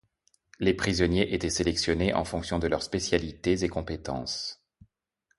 Les prisonniers étaient sélectionnés en fonction de leur spécialités et compétences.